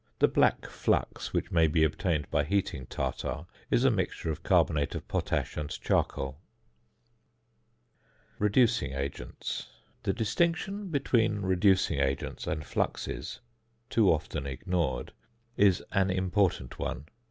The "black flux," which may be obtained by heating tartar, is a mixture of carbonate of potash and charcoal. REDUCING AGENTS. The distinction between reducing agents and fluxes (too often ignored) is an important one.